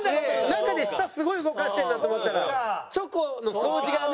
中で舌すごい動かしてるなと思ったらチョコの掃除がね。